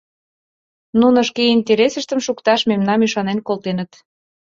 — Нуно шке интересыштым шукташ мемнам ӱшанен колтеныт.